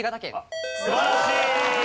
素晴らしい！